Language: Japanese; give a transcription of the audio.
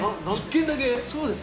そうです。